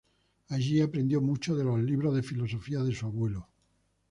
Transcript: Allí aprendió mucho de los libros de filosofía de su abuelo.